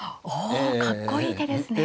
おかっこいい手ですね。